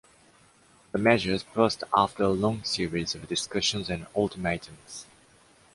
The measure passed after a long series of discussions and ultimatums.